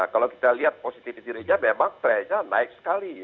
kalau kita lihat positifity ratenya memang trendnya naik sekali